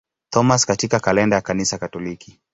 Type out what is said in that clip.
Thomas katika kalenda ya Kanisa Katoliki.